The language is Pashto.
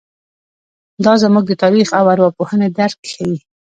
دا زموږ د تاریخ او ارواپوهنې درک ښيي.